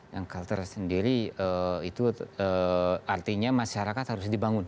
yang culture sendiri itu artinya masyarakat harus dibangun